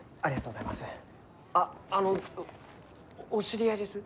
あっあのお知り合いです？